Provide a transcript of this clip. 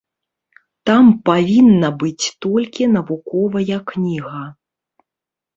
Там павінна быць толькі навуковая кніга.